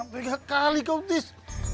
tiga kali kau tis